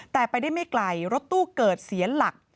แต่ไปได้ไม่ไกลรถตู้เกิดเสียหลัก